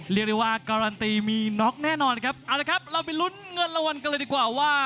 เรียกได้ว่าการันตีมีน็อกแน่นอนครับเอาละครับเราไปลุ้นเงินรางวัลกันเลยดีกว่าว่า